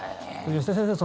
吉田先生